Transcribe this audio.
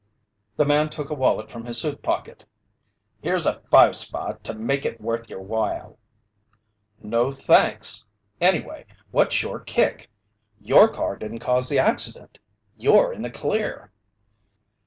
The man took a wallet from his suit pocket. "Here's a five spot to make it worth your while." "No, thanks. Anyway, what's your kick? Your car didn't cause the accident. You're in the clear."